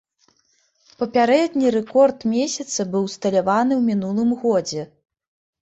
Папярэдні рэкорд месяца быў усталяваны ў мінулым годзе.